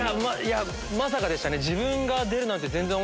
まさかでしたね。